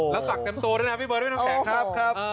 แล้วสักเต็มตัวด้วยนะพี่เบิร์ดด้วยน้ำแข็งครับ